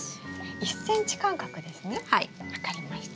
１ｃｍ間隔ですね分かりました。